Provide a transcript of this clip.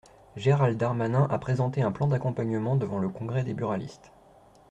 Gérald Darmanin a présenté un plan d’accompagnement devant le Congrès des buralistes.